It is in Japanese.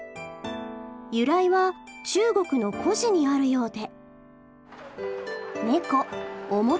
由来は中国の故事にあるようで。